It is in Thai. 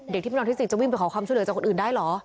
ที่เป็นตอนที่๔จะวิ่งไปขอความช่วยเหลือจากคนอื่นได้เหรอ